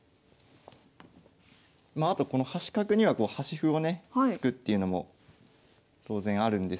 まああとこの端角にはこう端歩をね突くっていうのも当然あるんですけど。